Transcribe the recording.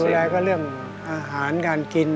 ก็ดูแลก็เรื่องอาหารการกิน